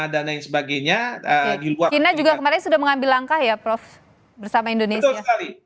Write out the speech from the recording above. dan lain sebagainya lagi luar kira juga kemarin sudah mengambil langkah ya prof bersama indonesia